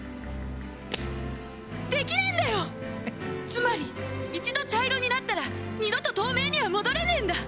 つまり一度茶色になったら二度と透明には戻れねえんだ！